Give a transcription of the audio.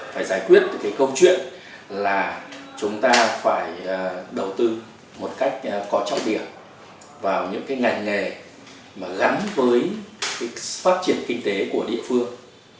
phải giải quyết cái câu chuyện là chúng ta phải đầu tư một cách có trọng điểm vào những cái ngành nghề mà gắn với phát triển kinh tế của địa phương